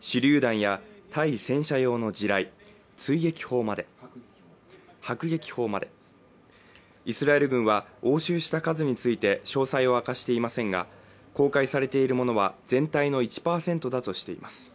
手りゅう弾や対戦車用の地雷追撃砲までイスラエル軍は押収した数について詳細を明かしていませんが公開されているものは全体の１％だとしています